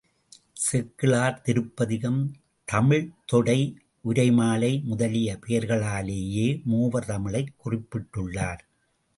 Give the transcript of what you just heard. சேக்கிழார், திருப்பதிகம், தமிழ்த்தொடை, உரைமாலை முதலிய பெயர்களாலேயே மூவர் தமிழைக் குறிப்பிட்டுள்ளார்.